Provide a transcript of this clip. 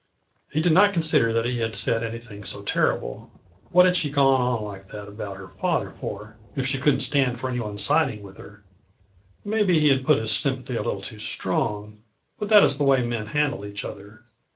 He did not consider that he had said anything so terrible. What had she gone on like that about her father for, if she couldn't stand for any one siding in with her? Maybe he had put his sympathy a little too strong, but that is the way men handle each other.